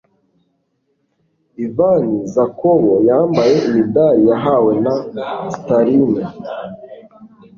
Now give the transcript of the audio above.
Ivan Zakob, yambaye imidari yahawe na Stalin